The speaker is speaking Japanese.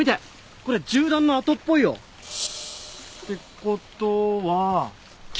これ銃弾の跡っぽいよ！って事は。